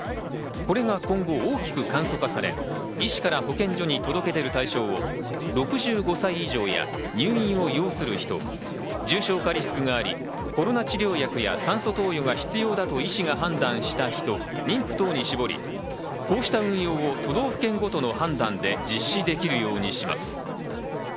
これが今後、大きく簡素化され、医師から保健所に届け出る対象を６５歳以上や入院を要する人、重症化リスクがあり、コロナ治療薬や酸素投与が必要だと医師が判断した人、妊婦等に絞り、こうした運用を都道府県ごとの判断で実施できるようにします。